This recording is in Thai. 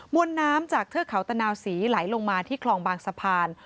วนน้ำจากเทือกเขาตะนาวศรีไหลลงมาที่คลองบางสะพาน